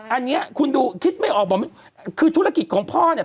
อันนี้คุณดูคิดไม่ออกบอกคือธุรกิจของพ่อเนี่ย